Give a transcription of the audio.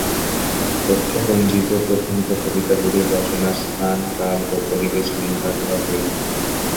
তথ্যপঞ্জীতে প্রধানত কবিতাগুলির রচনার স্থান কাল ও পরিবেশ নির্ণয় করা হইল।